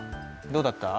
どうだった？